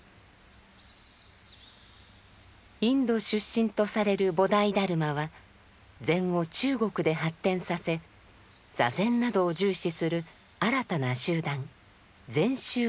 インド出身とされる菩提達磨は禅を中国で発展させ座禅などを重視する新たな集団「禅宗」を打ち立てます。